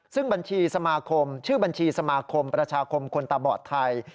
ซึ่งบัญชีสมาคมชื่อบัญชีสมาคมประชาคมคนตาบอดไทย